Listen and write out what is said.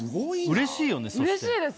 うれしいよねそして。